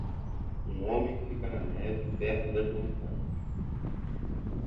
Um homem fica na neve perto das montanhas.